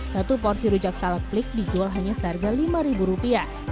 satu porsi rujak salak plik dijual hanya seharga rp lima